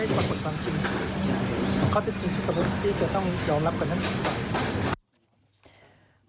ก็จะต้องยอมรับก่อนนั้นดีกว่า